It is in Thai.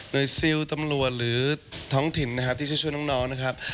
โดยซิลตำรวจหรือท้องถิ่นนะครับที่จะช่วยน้องนะครับ